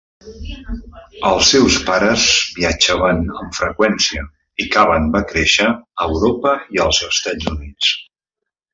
Els seus pares viatjaven amb freqüència i Kavan va créixer a Europa i als Estats Units.